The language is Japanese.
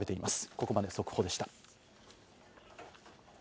ここまで速報でした。